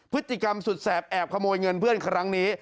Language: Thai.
พฤติกรรมสุดแสบแอบขโมยเงินเพื่อนครั้งนี้